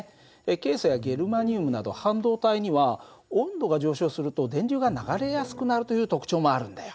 ケイ素やゲルマニウムなど半導体には温度が上昇すると電流が流れやすくなるという特徴もあるんだよ。